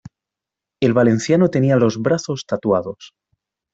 El valenciano tenía los brazos tatuados.